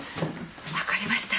わかりました。